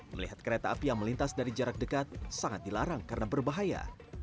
melihat kereta api yang melintas dari jarak dekat sangat dilarang karena berbahaya